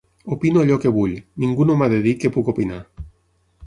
Opino allò que vull, ningú no m’ha de dir què puc opinar.